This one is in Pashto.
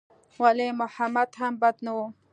ولي محمد هم بد نه و.